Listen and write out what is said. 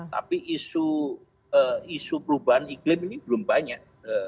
tapi isu perubahan iklim ini belum banyak